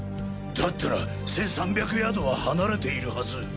だったら１３００ヤードははなれているはず。